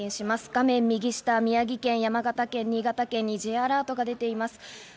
画面右下、宮城県、山形県、新潟県にＪアラートが出ています。